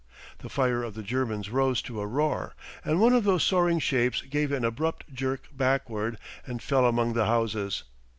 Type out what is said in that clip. The fire of the Germans rose to a roar, and one of those soaring shapes gave an abrupt jerk backward and fell among the houses.